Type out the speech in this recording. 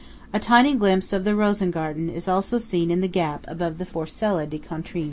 A tiny glimpse of the Rosengarten is also seen in the gap above the Forcella di Contrin.